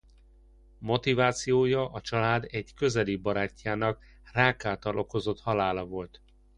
Motivációja a család egy közeli barátjának rák által okozott halála volt.